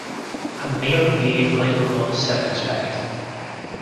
I'm merely being a little more circumspect.